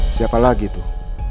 siapa lagi tuh